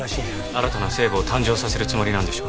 新たな聖母を誕生させるつもりなんでしょう。